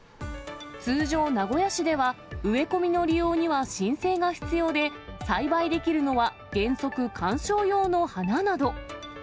通常、名古屋市では植え込みの利用には申請が必要で、栽培できるのは原則観賞用の花など。